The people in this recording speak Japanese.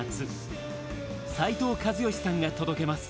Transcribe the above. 斉藤和義さんが届けます。